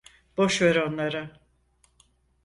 Boş ver onları.